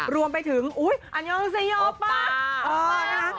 รวมไปถึงอุ๊ยอันยงสยอป่ะ